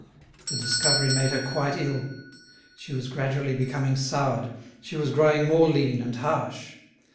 The discovery made her quite ill. She was gradually becoming soured, she was growing more lean and harsh.